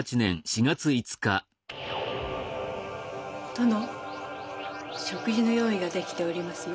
殿食事の用意ができておりますよ。